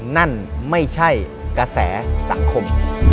นั่นไม่ใช่กระแสสังคม